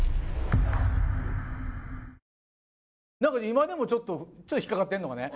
今でもちょっと引っかかってんのがね